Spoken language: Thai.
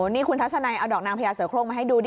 นี่คุณทัศนัยเอาดอกนางพญาเสือโครงมาให้ดู